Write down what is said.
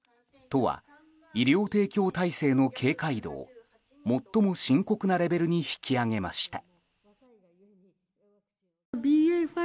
都は、医療提供体制の警戒度を最も深刻なレベルに引き上げました。